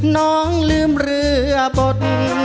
น้องลืมเรือบด